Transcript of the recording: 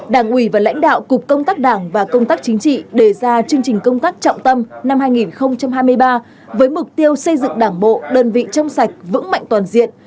đảng ủy và lãnh đạo cục công tác đảng và công tác chính trị đề ra chương trình công tác trọng tâm năm hai nghìn hai mươi ba với mục tiêu xây dựng đảng bộ đơn vị trong sạch vững mạnh toàn diện